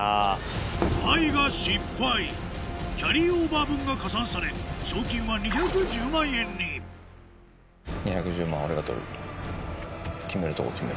キャリーオーバー分が加算され賞金は２１０万円に決めるとこ決める。